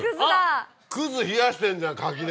葛冷やしてんじゃん柿で。